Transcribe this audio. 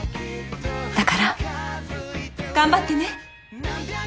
だから頑張ってね。